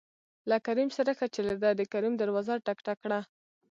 له کريم سره ښه چلېده د کريم دروازه ټک، ټک کړه.